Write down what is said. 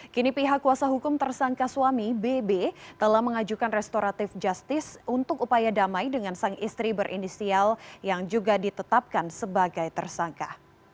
kini pihak kuasa hukum tersangka suami bb telah mengajukan restoratif justice untuk upaya damai dengan sang istri berinisial yang juga ditetapkan sebagai tersangka